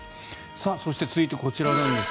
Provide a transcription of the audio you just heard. そして、続いてこちらです。